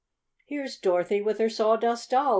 "Here's Dorothy with her Sawdust Doll!"